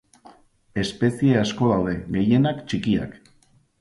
Espezie asko daude, gehienak txikiak.